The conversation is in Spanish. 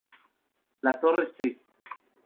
La Torre St.